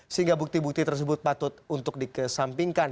sehingga bukti bukti tersebut patut untuk dikesampingkan